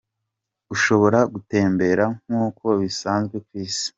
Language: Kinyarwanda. Ushobora gutembera nkuko bisanzwe ku isi.